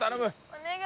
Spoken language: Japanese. お願い！